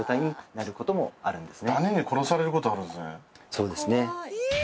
そうですね。